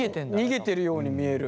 逃げてるように見える。